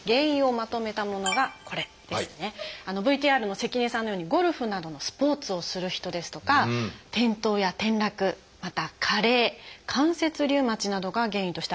ＶＴＲの関根さんのようにゴルフなどのスポーツをする人ですとか転倒や転落また加齢関節リウマチなどが原因としてあるんですよね。